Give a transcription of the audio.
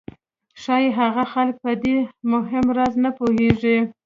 ښایي هغه خلک په دې مهم راز نه پوهېږي